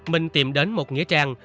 mình tìm đến một nghĩa trang